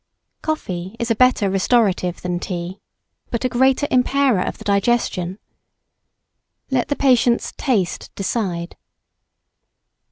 Coffee is a better restorative than tea, but a greater impairer of the digestion. Let the patient's taste decide.